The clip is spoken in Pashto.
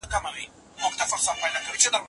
موږ پخپله ګناه کاریو ګیله نسته له شیطانه